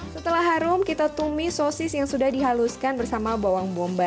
setelah harum kita tumis sosis yang sudah dihaluskan bersama bawang bombay